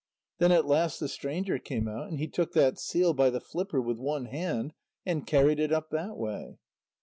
Then at last the stranger came out, and he took that seal by the flipper with one hand, and carried it up that way.